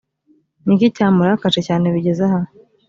ni iki cyamurakaje cyane bigeze aha?»